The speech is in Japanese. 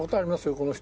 この人。